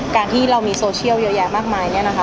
การที่เรามีโซเชียลเยอะแยะมากมายเนี่ยนะคะ